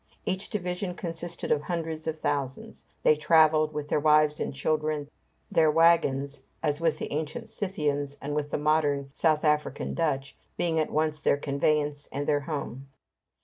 Each division consisted of hundreds of thousands. They travelled, with their wives and children, their wagons, as with the ancient Scythians and with the modern South African Dutch, being at once their conveyance and their home.